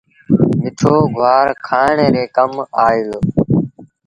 مٺو گُوآر کآڻ ري ڪم آئي دو۔